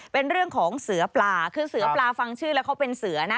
เป็นเรื่องของเสือปลาคือเสือปลาฟังชื่อแล้วเขาเป็นเสือนะ